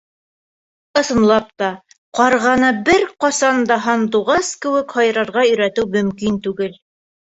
Ысынлап та, ҡарғаны бер ҡасан да һандуғас кеүек һайрарға өйрәтеү мөмкин түгел.